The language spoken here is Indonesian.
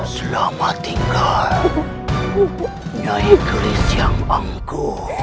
selamat tinggal nyai keris yang anggu